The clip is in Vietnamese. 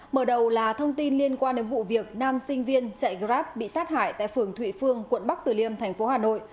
mở đầu là thông tin liên quan đến vụ việc nam sinh viên chạy grab bị sát hại tại phường thụy phương quận bắc tử liêm tp hà nội